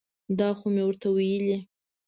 دا خو مې ورته ویلي.